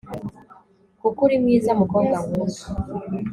koko uri mwiza, mukobwa nkunda